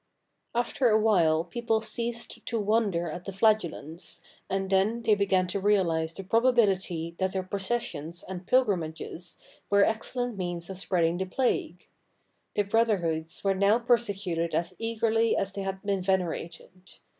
After a while people ceased to wonder at the Flagellants, and then they began to realize the probability that their pro cessions and pilgrimages were excellent means of spread ing the plague. The brotherhoods were now persecuted as eagerly as they had been venerated.